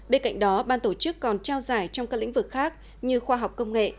bên cạnh đó ban tổ chức còn trao giải trong các lĩnh vực khác như khoa học công nghệ